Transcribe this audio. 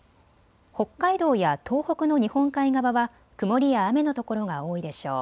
北海道や東北の日本海側は曇りや雨の所が多いでしょう。